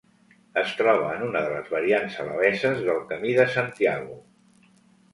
Es troba en una de les variants alabeses del Camí de Santiago.